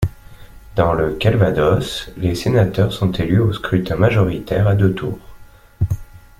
Dans le Calvados, les sénateurs sont élus au scrutin majoritaire à deux tours.